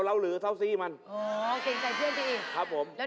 ร้านเราก็จะรวยแล้ว